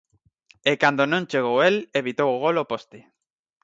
E cando non chegou el, evitou o gol o poste.